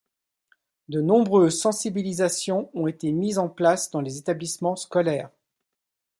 De nombreuses sensibilisations ont été mises en place dans les établissements scolaires.